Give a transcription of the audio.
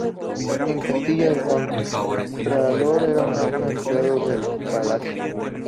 En Castilla el Contralor era un alto empleado de Palacio.